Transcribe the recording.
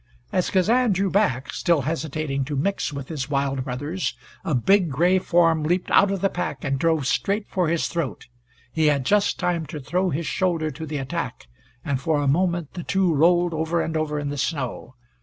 As Kazan drew back, still hesitating to mix with his wild brothers, a big gray form leaped out of the pack and drove straight for his throat. He had just time to throw his shoulder to the attack, and for a moment the two rolled over and over in the snow.